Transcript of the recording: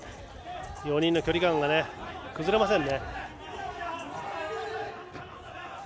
４人の距離感が崩れません。